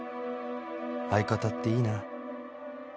相方っていいな